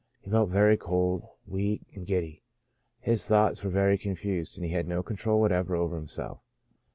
He felt very cold, weak, and giddy ; his thoughts were very confused, and he had no control whatever over himself.